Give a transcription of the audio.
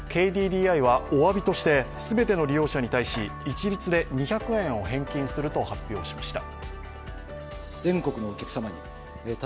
ＫＤＤＩはおわびとして、全ての利用者に対し一律で２００円を返金すると発表しました。